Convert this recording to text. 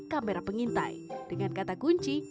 kamera pengintai dengan kata kunci